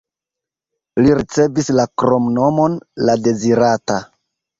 Li ricevis la kromnomon "la dezirata".